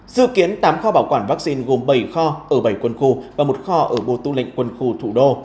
dự kiến tám kho bảo quản vaccine gồm bảy kho ở bảy quân khu và một kho ở bộ tư lệnh quân khu thủ đô